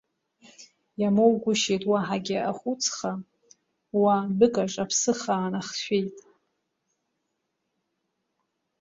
Иамоугәышьеит уаҳагьы ахәыцха, уа, дәыкаҿ аԥсы хаа нахшәеит.